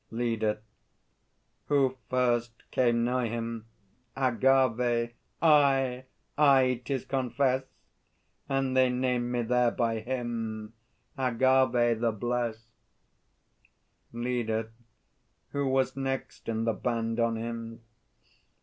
LEADER. Who first came nigh him? AGAVE. I, I, 'tis confessèd! And they named me there by him Agâvê the Blessèd! LEADER. Who was next in the band on him?